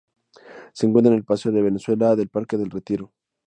Se encuentra en el paseo de Venezuela del parque del Retiro.